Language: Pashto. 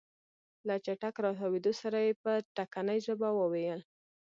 له چټک راتاوېدو سره يې په ټکنۍ ژبه وويل.